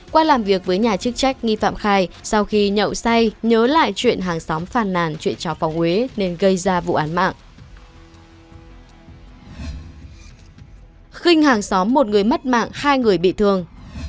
qua làm việc với nhà chức trách nghi phạm khai sau khi nhậu say nhớ lại chuyện hàng xóm phàn nàn chuyện cho phòng huế nên gây ra vụ án mạng